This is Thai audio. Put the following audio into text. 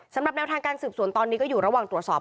แนวทางการสืบสวนตอนนี้ก็อยู่ระหว่างตรวจสอบ